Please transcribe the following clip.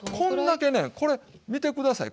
これ見て下さい。